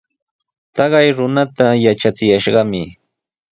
Taqay runata yaqachiyashqami.